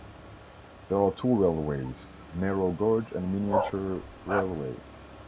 There are two railways: narrow gauge and miniature railway.